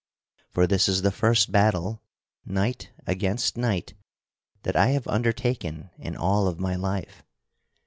For this is the first battle, knight against knight, that I have undertaken in all of my life.